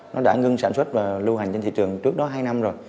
nó đã ngưng sản xuất và lưu hành trên thị trường trước đó hai năm rồi